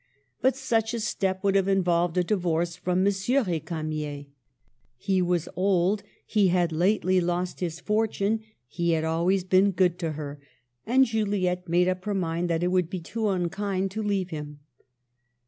But such a step would have involved a divorce from M. R6camier. He was old ; he had lately lost his fortune ; he had always been good to her ; and Juliette made up her mind that it would be too unkind to leave him.